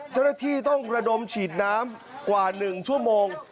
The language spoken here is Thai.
เจ้าหน้าที่ต้องระดมฉีดน้ำกว่า๑ชั่วโมง